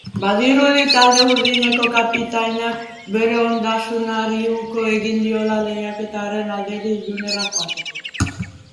Badirudi talde urdineko kapitainak bere ontasunari uko egin diola lehiaketaren alderdi ilunera joateko.